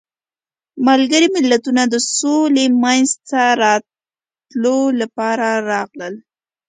ملګري ملتونه د سولې منځته راتلو لپاره راغلل.